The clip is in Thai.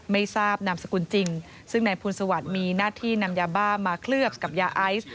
ไม่ทราบนามสกุลจริงซึ่งนายภูลสวัสดิ์มีหน้าที่นำยาบ้ามาเคลือบกับยาไอซ์